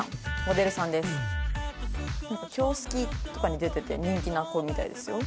『今日好き』とかに出ていて人気な子みたいですよ。